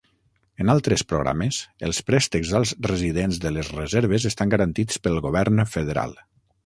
En altres programes, els préstecs als residents de les reserves estan garantits pel govern federal.